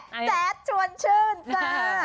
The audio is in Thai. แจ๊ดชวนชื่นจ้า